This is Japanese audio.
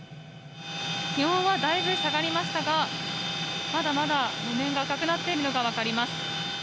気温はだいぶ下がりましたがまだまだ路面が赤くなっているのが分かります。